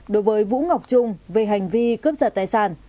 đối với vũ ngọc trung về hành vi cướp giật tài sản